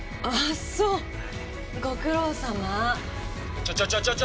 ちょちょちょちょ！